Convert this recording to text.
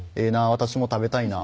私も食べたいな」